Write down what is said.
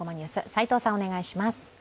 齋藤さん、お願いします。